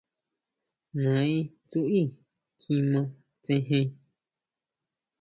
Nae Tsui kjima tsejen.